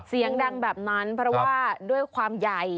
เสียงดังแบบนั้นเพราะว่าด้วยความใหญ่